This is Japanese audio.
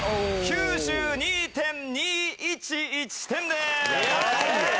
９２．２１１点です！